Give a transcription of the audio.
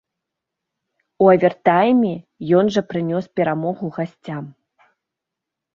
У авертайме ён жа прынёс перамогу гасцям.